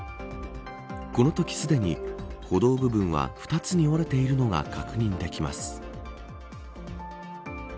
このときすでに歩道部分は２つに折れているのが確認できます。